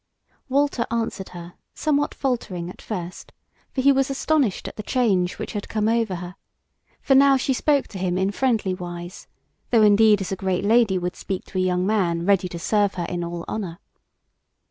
Walter answered her, somewhat faltering at first, for he was astonished at the change which had come over her; for now she spoke to him in friendly wise, though indeed as a great lady would speak to a young man ready to serve her in all honour.